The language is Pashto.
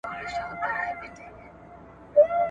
هم باتور د خپل اولس وي هم منظور د خپل اولس وي `